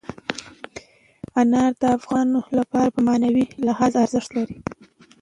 انار د افغانانو لپاره په معنوي لحاظ ارزښت لري.